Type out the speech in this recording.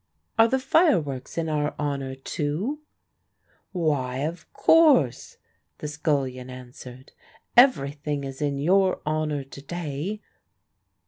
"Are the fireworks in our honour too?" "Why, of course," the scullion answered; "everything is in your honour to day."